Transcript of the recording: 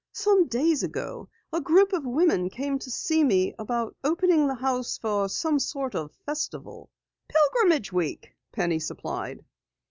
Some days ago a group of women came to see me about opening the house for some sort of Festival " "Pilgrimage Week," Penny supplied.